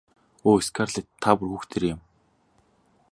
Өө Скарлетт та бүр хүүхдээрээ юм.